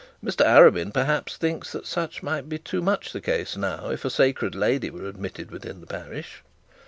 Mr Arabin, perhaps, thinks that such might be too much the case now if a sacred lady were admitted within the parish.'